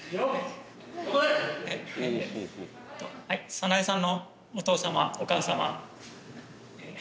早苗さんのお父様お母様